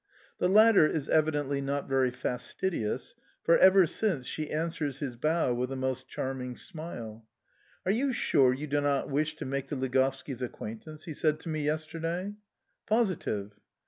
The latter is evidently not very fastidious, for, ever since, she answers his bow with a most charming smile. "Are you sure you do not wish to make the Ligovskis' acquaintance?" he said to me yesterday. "Positive."